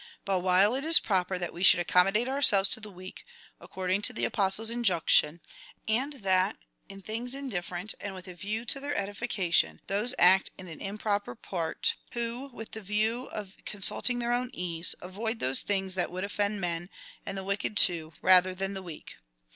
But while it is proper that we should accommodate ourselves to the weak, according to the Apostle's injunction, and that, in things indifferent, and with a view to their edification, those act an improper part, who, with the view of consulting their own ease, avoid those things that would offend men, and the wicked, too, rather than the weak.